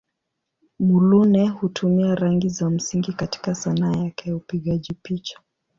Muluneh hutumia rangi za msingi katika Sanaa yake ya upigaji picha.